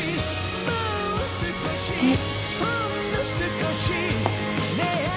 えっ。